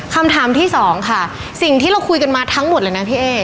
คำถามที่สองค่ะสิ่งที่เราคุยกันมาทั้งหมดเลยนะพี่เอ๊